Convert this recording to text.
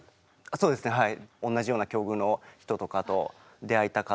そうですねはい。